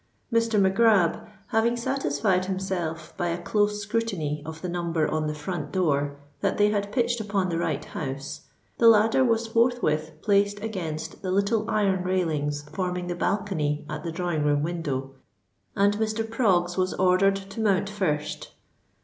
Mr. Mac Grab having satisfied himself by a close scrutiny of the number on the front door, that they had pitched upon the right house, the ladder was forthwith placed against the little iron railings forming the balcony at the drawing room window; and Mr. Proggs was ordered to mount first.